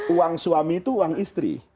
uang suami itu uang istri